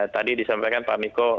tadi disampaikan pak miko